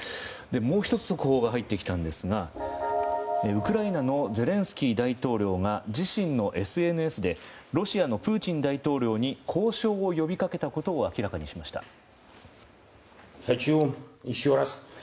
もう１つ速報が入ってきたんですがウクライナのゼレンスキー大統領が自身のＳＮＳでロシアのプーチン大統領に交渉を呼びかけたことを明らかにしました。